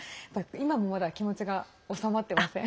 今もまだ気持ちがおさまってません。